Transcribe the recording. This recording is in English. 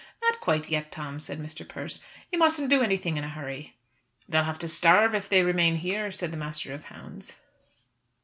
"Not quite yet, Tom," said Mr. Persse. "You mustn't do anything in a hurry." "They'll have to starve if they remain here," said the master of hounds.